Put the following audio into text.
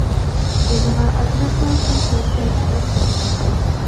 يېنىغا ئازراقلا پۇل كىرسە كىتاب سېتىۋالدى.